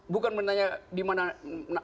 bukan menanya dimana